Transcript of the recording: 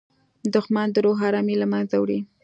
دښمن د روح ارامي له منځه وړي